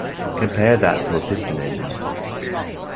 Compare that to a piston engine.